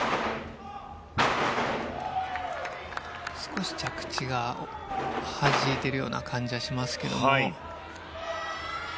少し着地がはじいているような感じがしますけど。